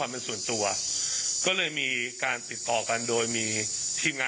นี่นี่นี่นี่นี่นี่นี่นี่นี่